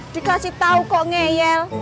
dikasih tau kok ngeyel